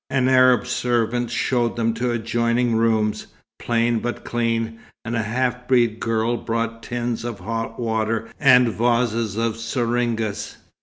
An Arab servant showed them to adjoining rooms, plain but clean, and a half breed girl brought tins of hot water and vases of syringas.